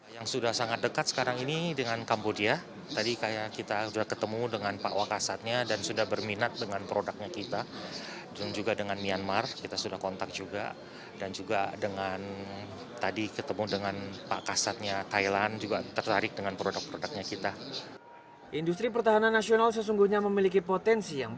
industri pertahanan nasional sesungguhnya memiliki potensi untuk mengembangkan perusahaan